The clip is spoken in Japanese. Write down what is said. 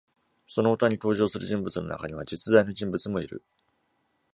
その歌に登場する人物の中には実在の人物もいる。